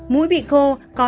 mũi bị khô